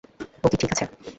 ও কি ঠিক আছে?